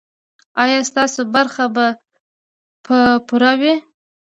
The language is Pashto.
ایا ستاسو برخه به پوره وي؟